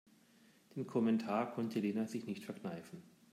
Den Kommentar konnte Lena sich nicht verkneifen.